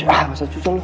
sal masa susah lu